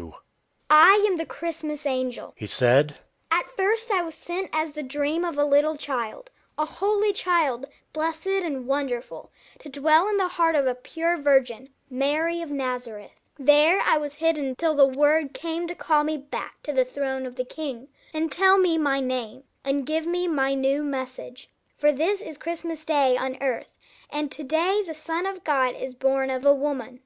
"But how do you know these things?" cried the other angels. "Who are you?" "I am the Christmas angel," he said. "At first I was sent as the dream of a little child, a holy child, blessed and wonderful, to dwell in the heart of a pure virgin, Mary of Nazareth. There I was hidden till the word came to call me back to the throne of the King, and tell me my name, and give me my new message. For this is Christmas day on Earth, and to day the Son of God is born of a woman.